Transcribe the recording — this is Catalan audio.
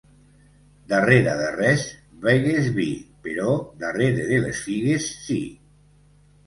Darrere de res begues vi, però darrere de les figues, sí.